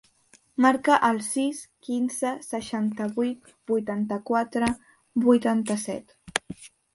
Marca el sis, quinze, seixanta-vuit, vuitanta-quatre, vuitanta-set.